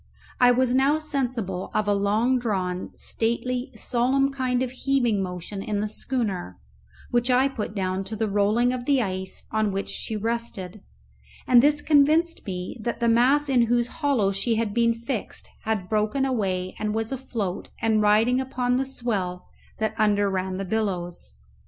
I was now sensible of a long drawn, stately, solemn kind of heaving motion in the schooner, which I put down to the rolling of the ice on which she rested; and this convinced me that the mass in whose hollow she had been fixed had broken away and was afloat and riding upon the swell that under ran the billows.